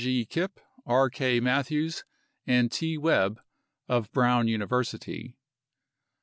G. Kipp, R. K. Matthews, and T. Webb of Brown University.